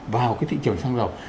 vào cái thị trường xăng dầu